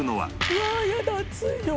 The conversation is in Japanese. うわあ！やだ熱いよ。